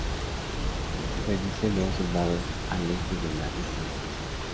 Pedicelos soldados al eje de la inflorescencia.